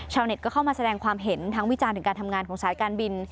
เน็ตก็เข้ามาแสดงความเห็นทั้งวิจารณ์ถึงการทำงานของสายการบิน